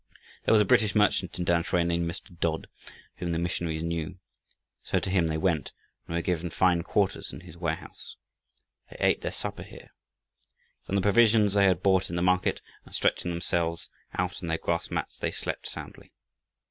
There was a British merchant in Tamsui named Mr. Dodd, whom the missionaries knew. So to him they went, and were given fine quarters in his warehouse. They ate their supper here, from the provisions they had bought in the market, and stretching themselves out on their grass mats they slept soundly.